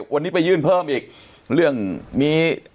วันนี้ไปยื่นเพิ่มอีกเรื่องมี